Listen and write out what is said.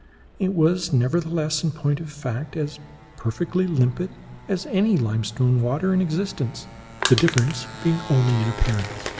It was, nevertheless, in point of fact, as perfectly limpid as any limestone water in existence, the difference being only in appearance.